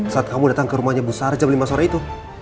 saat kamu datang ke rumahnya besar jam lima sore itu